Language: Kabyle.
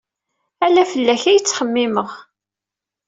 Ala fell-ak ay ttxemmimeɣ.